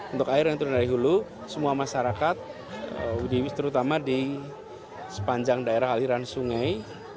untuk air yang turun dari hulu semua masyarakat terutama di sepanjang daerah aliran sungai